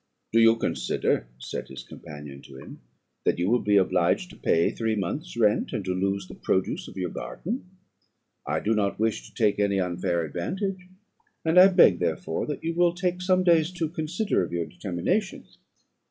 "'Do you consider,' said his companion to him, 'that you will be obliged to pay three months' rent, and to lose the produce of your garden? I do not wish to take any unfair advantage, and I beg therefore that you will take some days to consider of your determination.'